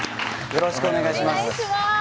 よろしくお願いします。